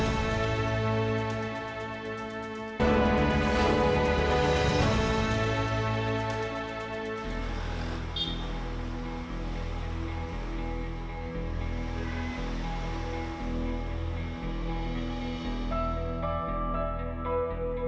tapi kita harus mencari